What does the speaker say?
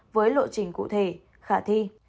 với lộ trình cụ thể khả thi